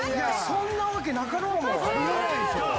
そんなわけなかろうもん。